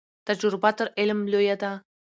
تجربه تر علم لویه ده.